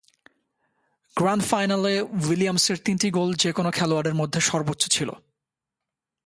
Grand ফাইনালে উইলিয়ামসের তিনটি গোল যে কোন খেলোয়াড়ের মধ্যে সর্বোচ্চ ছিল।